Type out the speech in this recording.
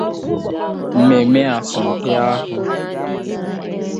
Mmemme asọmpi ahụ